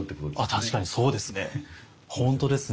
確かにそうですね。